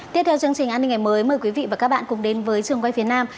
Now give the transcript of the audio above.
tiếp theo chương trình an ninh ngày mới mời quý vị và các bạn cùng đến với trường quay phía nam